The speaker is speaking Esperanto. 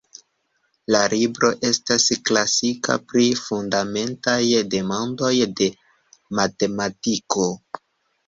La libro estas klasika pri fundamentaj demandoj de matematiko.